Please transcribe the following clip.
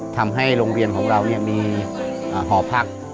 ทำให้โรงเรียนของเรามีหอพัก